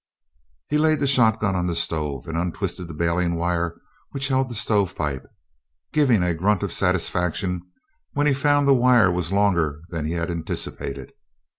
He laid the shotgun on the stove and untwisted the baling wire which held the stovepipe, giving a grunt of satisfaction when he found the wire was longer than he had anticipated.